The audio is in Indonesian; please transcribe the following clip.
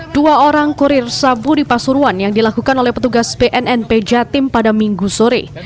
dua orang kurir sabu di pasuruan yang dilakukan oleh petugas bnnp jatim pada minggu sore